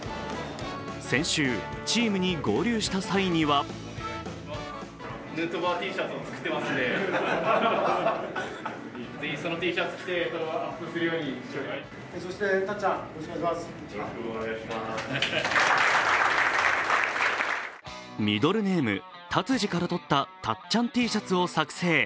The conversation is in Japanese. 先週、チームに合流した際にはミドルネーム・タツジからとったたっちゃんＴシャツを作成。